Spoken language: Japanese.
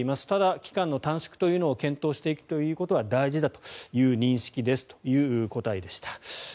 ただ、期間の短縮を検討していくことは大事だという認識ですという答えでした。